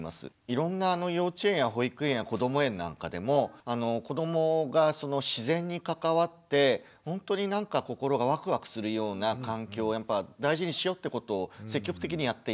いろんな幼稚園や保育園やこども園なんかでも子どもがその自然に関わって本当になんか心がワクワクするような環境をやっぱ大事にしようってことを積極的にやっています。